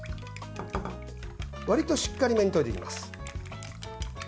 わりと、しっかりめに溶いていきます。